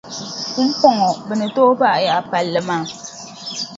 Pumpɔŋɔ bɛ ni tooi baai yaɣi palli maa.